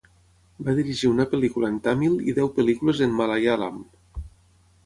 Va dirigir una pel·lícula en tàmil i deu pel·lícules en malaiàlam.